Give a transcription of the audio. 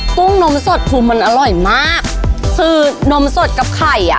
กุ้งนมสดคือมันอร่อยมากคือนมสดกับไข่อ่ะ